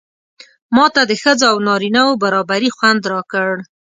ماته د ښځو او نارینه و برابري خوند راکړ.